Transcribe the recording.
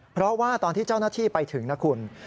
เพราะว่าตอนที่เจ้าหน้าที่ไปถึงนะคุณ